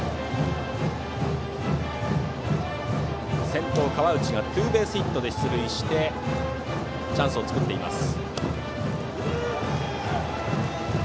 先頭、河内がツーベースヒットで出塁してチャンスを作っています。